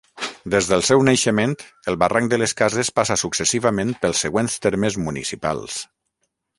Des del seu naixement, el Barranc de les Cases passa successivament pels següents termes municipals.